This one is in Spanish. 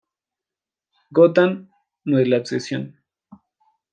Gotham no es la excepción.